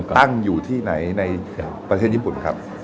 ตั้งอยู่ที่ไหนในประเทศญี่ปุ่นครับ